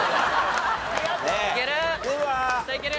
いける！